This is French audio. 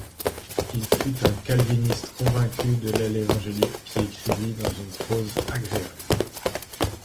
Il fut un calviniste convaincu de l'aile évangélique qui écrivit dans une prose agréable.